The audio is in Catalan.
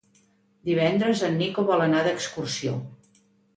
Divendres en Nico vol anar d'excursió.